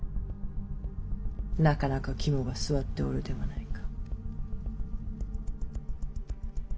なかなか肝が据わっておるではないか。